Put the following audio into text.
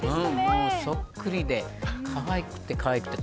そっくりでかわいくて、かわいくて。